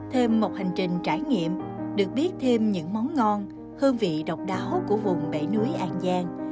thêm một hành trình trải nghiệm được biết thêm những món ngon hương vị độc đáo của vùng bể núi an giang